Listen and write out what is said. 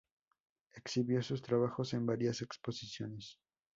Exhibió sus trabajos en varias exposiciones.